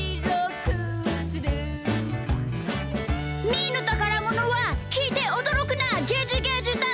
「みーのたからものはきいておどろくなゲジゲジだ！」